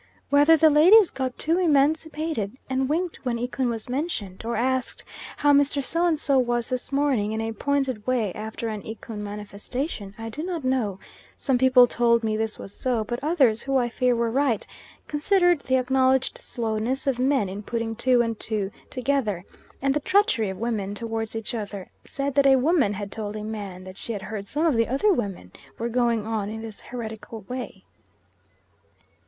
Whether the ladies got too emancipated and winked when Ikun was mentioned, or asked how Mr. So and so was this morning, in a pointed way, after an Ikun manifestation, I do not know; some people told me this was so, but others, who, I fear, were right, considering the acknowledged slowness of men in putting two and two together, and the treachery of women towards each other, said that a woman had told a man that she had heard some of the other women were going on in this heretical way.